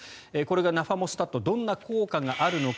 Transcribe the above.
ナファモスタットはどんな効果があるのか。